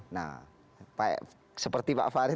nah seperti pak farin